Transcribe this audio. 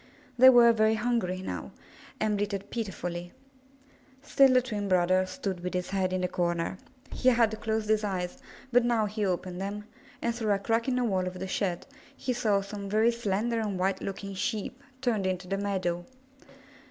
They were very hungry now, and bleated pitifully. Still the twin brother stood with his head in the corner*. He had closed his eyes, but now he opened them, and through a crack in the 263 MY BOOK HOUSE wall of the shed, he saw some very slender and white" looking Sheep turned into the meadow.